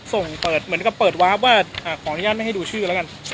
ส่งเปิดเหมือนกับเปิดวาร์ฟว่าขออนุญาตไม่ให้ดูชื่อแล้วกัน